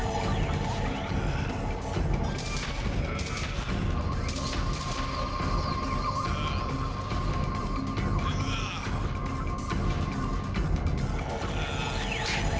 anakku ini benar benar khani dia berteman dengan aku